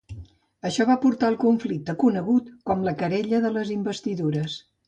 Això va portar al conflicte conegut com la Querella de les Investidures.